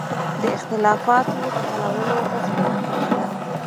د اختلافاتو د حلولو غوښتنه کړې ده.